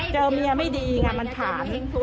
เจอเมียไม่ดีงานมันผ่าน